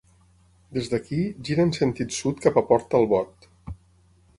Des d"aquí, gira en sentit sud cap a Port Talbot.